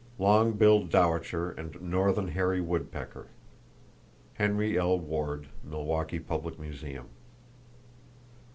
Long billed dowitcher and northern hairy woodpecker.—(Henry L. Ward, Milwaukee Public Museum.)